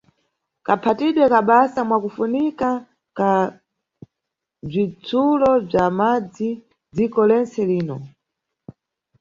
Kaphatidwe ka basa mwakufunika ka bzitsulo bza madzi nʼdziko lentse lino.